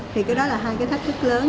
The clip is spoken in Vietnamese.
thì cái đó là hai cái thách thức lớn